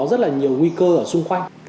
rất là nhiều nguy cơ ở xung quanh